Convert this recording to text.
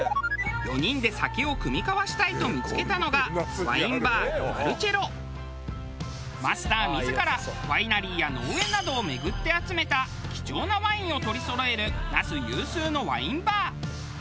４人で酒を酌み交わしたいと見付けたのがマスター自らワイナリーや農園などを巡って集めた貴重なワインを取りそろえる那須有数のワインバー。